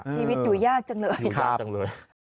ชีวิตอยู่ยากจังเลย